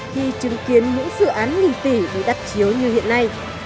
khi chứng kiến những dự án nghìn tỷ với đắt chiếu như hiện nay